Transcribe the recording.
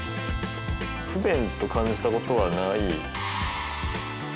不便と感じたことはない。